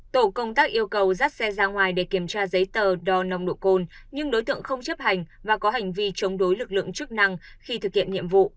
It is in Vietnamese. tổ công tác yêu cầu dắt xe ra ngoài để kiểm tra giấy tờ đo nồng độ cồn nhưng đối tượng không chấp hành và có hành vi chống đối lực lượng chức năng khi thực hiện nhiệm vụ